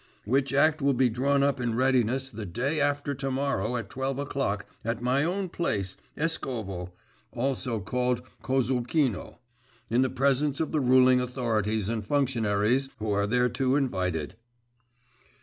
Which act will be drawn up in readiness the day after to morrow at twelve o'clock, at my own place, Eskovo, also called Kozulkino, in the presence of the ruling authorities and functionaries, who are thereto invited.